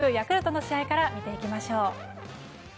早速、ヤクルトの試合から見ていきましょう。